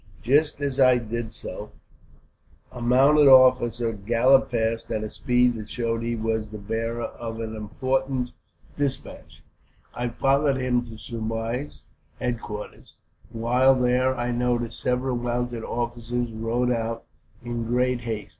"Just as I did so, a mounted officer galloped past, at a speed that showed he was the bearer of an important despatch. I followed him to Soubise's headquarters. While there, I noticed several mounted officers rode out in great haste.